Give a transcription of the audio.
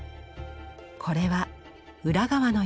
これは裏側の様子。